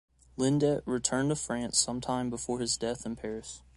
Lindet returned to France some time before his death in Paris.